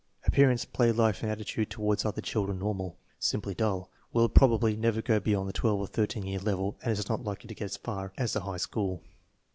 Appear ance, play life, and attitude toward other children normal. Simply dull. Will probably never go beyond the 12 or 13 year level and is not likely to get as far as the high school.